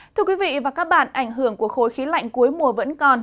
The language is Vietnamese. thưa quý vị và các bạn ảnh hưởng của khối khí lạnh cuối mùa vẫn còn